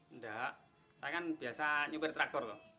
enggak saya kan biasa nyupir traktor kok